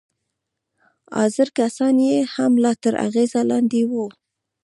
حاضر کسان يې لا هم تر اغېز لاندې وو.